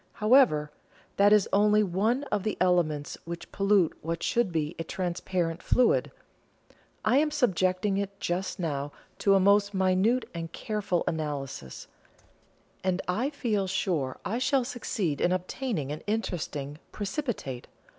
However, that is only one of the elements which pollute what should be a transparent fluid. I am subjecting it just now to a most minute and careful analysis, and I feel sure I shall succeed in obtaining an interesting 'precipitate.'